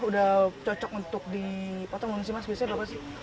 udah cocok untuk dipotong belum sih mas biasanya berapa sih